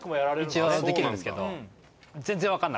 一応できるんですけど。